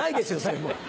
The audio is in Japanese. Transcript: それもう。